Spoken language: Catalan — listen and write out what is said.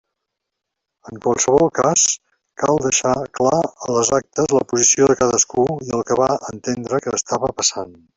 En qualsevol cas cal deixar clar a les actes la posició de cadascú i el que va entendre que estava passant.